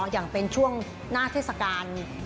อย่างเป็นช่วงหน้าเทศกาล